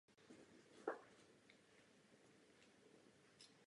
Together je také vysílající organizací na Evropskou dobrovolnou službu.